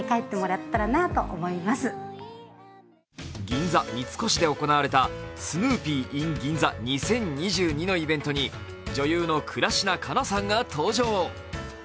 銀座三越で行われたスヌーピーｉｎ銀座２０２２のイベントに女優の倉科カナさんが登場。